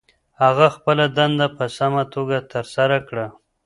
هغه خپله دنده په سمه توګه ترسره کړه.